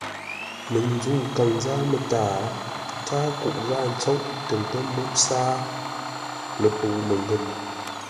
Məŋ nzə̂u kâŋ zâa mətǎa, káa kuʼ gháa ntsoʼ tə nkə́ mbúʼ sáa ləpəu məngə̂p.